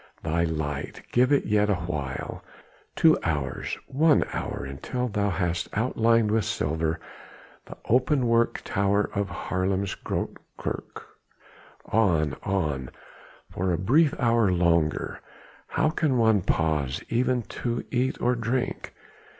thy light! give it yet awhile! two hours! one hour until thou hast outlined with silver the openwork tower of Haarlem's Groote Kirk. On, on, for a brief hour longer how can one pause even to eat or drink?